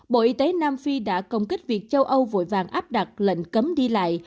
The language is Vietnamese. bộ y tế nam phi đã công kích việc châu âu vội vàng áp đặt lệnh cấm đi lại